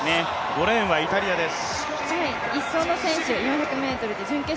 ５レーンはイタリアです。